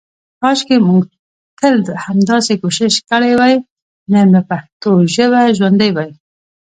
کاشکې مونږ تل همداسې کوشش کړی وای نن به پښتو ژابه ژوندی وی.